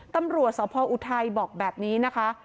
ตำรวจสพออุทัยบอกแบบนี้นะคะ